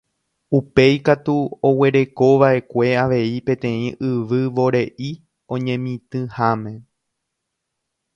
Upéi katu oguerekova'ekue avei peteĩ yvyvore'i oñemitỹháme.